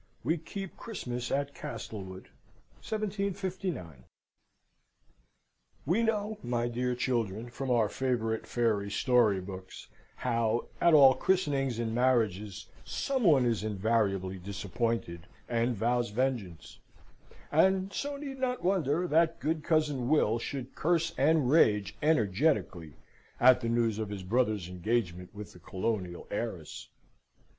We keep Christmas at Castlewood. 1759 We know, my dear children, from our favourite fairy story books, how at all christenings and marriages some one is invariably disappointed, and vows vengeance; and so need not wonder that good cousin Will should curse and rage energetically at the news of his brother's engagement with the colonial heiress.